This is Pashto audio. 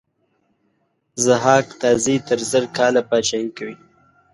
ضحاک تازي تر زر کاله پاچهي کوي.